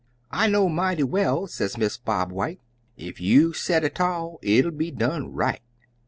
"I know mighty well," sez Miss Bob White, "Ef you set a tall, it'll be done right."